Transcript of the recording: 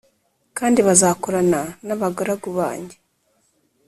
kandi bazakorana n’abagaragu banjye